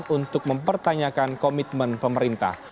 untuk mempertanyakan komitmen pemerintah